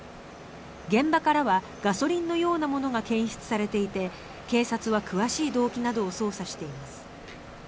現場からはガソリンのようなものが検出されていて警察は詳しい動機などを捜査しています。